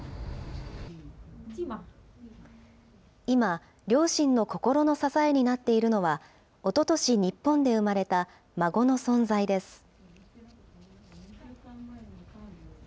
今、両親の心の支えになっているのは、おととし日本で生まれた孫の存在です。